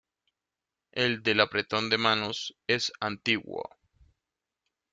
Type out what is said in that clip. El del apretón de manos es antiguo.